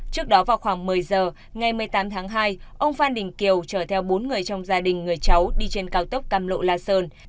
trước đó vào khoảng một mươi giờ ngày một mươi tám tháng hai ông phan đình kiều chở theo bốn người trong gia đình người cháu đi trên cao tốc cam lộ la sơn